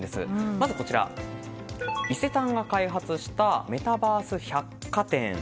まずは、伊勢丹が開発したメタバース百貨店。